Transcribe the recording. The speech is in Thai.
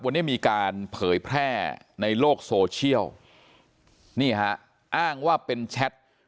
วันนี้มีการเผยแพร่ในโลกโซเชียลนี่ฮะอ้างว่าเป็นแชท